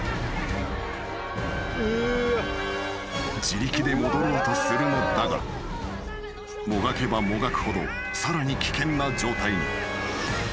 ［自力で登ろうとするのだがもがけばもがくほどさらに危険な状態に］